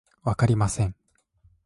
わかりません